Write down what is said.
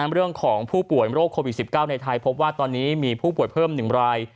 เรื่องของผู้ป่วยโรคโควิด๑๙ในไทยพบว่าตอนนี้มีผู้ป่วยเพิ่ม๑ราย